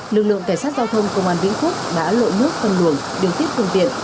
lực lượng cảnh sát giao thông công an vĩnh phúc đã lội nước phân luồng điều tiết phương tiện